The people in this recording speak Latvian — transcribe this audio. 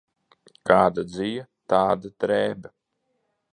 Kāda dzija, tāda drēbe.